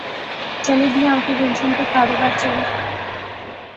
چلے بھی آؤ کہ گلشن کا کاروبار چلے